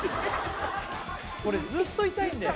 これずっと痛いんだよ